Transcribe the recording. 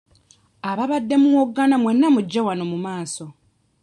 Ababadde muwoggana mwenna mujje wano mu maaso.